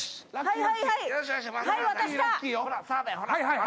はい。